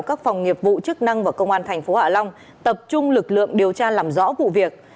các phòng nghiệp vụ chức năng và công an tp hạ long tập trung lực lượng điều tra làm rõ vụ việc